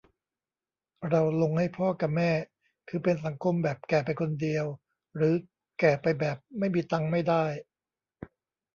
เราลงให้พ่อกะแม่ คือเป็นสังคมแบบแก่ไปคนเดียว หรือแก่ไปแบบไม่มีตังค์ไม่ได้